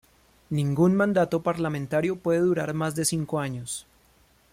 Ningún mandato parlamentario puede durar más de cinco años.